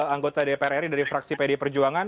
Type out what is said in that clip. anggota dprri dari fraksi pd perjuangan